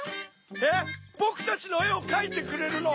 えっボクたちのえをかいてくれるの？